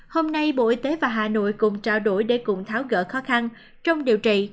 hôm nay bộ y tế và hà nội cùng trao đổi để cùng tháo gỡ khó khăn trong điều trị